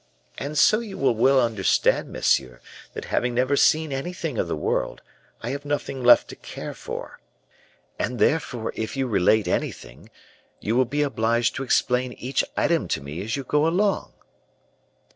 And so you will understand, monsieur, that having never seen anything of the world, I have nothing left to care for; and therefore, if you relate anything, you will be obliged to explain each item to me as you go along."